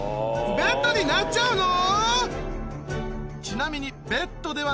ベッドになっちゃうの！？